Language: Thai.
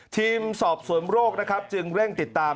ทีมสอบสวนโรคนะครับจึงเร่งติดตาม